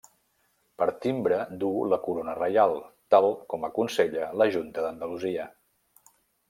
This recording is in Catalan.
Per timbre duu la corona reial, tal com aconsella la Junta d'Andalusia.